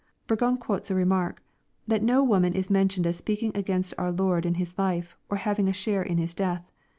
Burgon quotes a remark, " that no woman is mentioned m speaking against our Lord in His hfe, or having a share in His death.